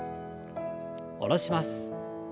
下ろします。